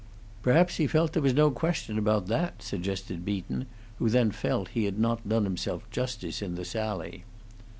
"Perhaps he felt there was no question about that," suggested Beaton, who then felt that he had not done himself justice in the sally.